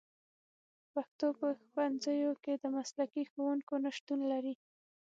پښتو په ښوونځیو کې د مسلکي ښوونکو نشتون لري